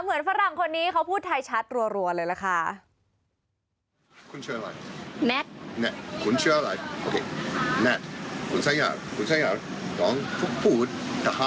เหมือนฝรั่งคนนี้เขาพูดไทยชัดรัวเลยแหละค่ะ